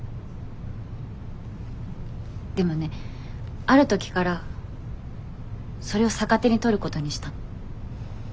でもねある時からそれを逆手に取ることにしたの。